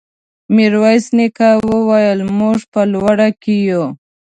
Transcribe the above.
ميرويس نيکه وويل: موږ په لوړه کې يو.